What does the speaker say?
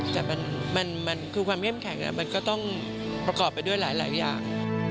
แต่มันคือความเข้มแข็งมันก็ต้องประกอบไปด้วยหลายอย่าง